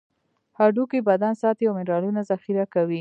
هډوکي بدن ساتي او منرالونه ذخیره کوي.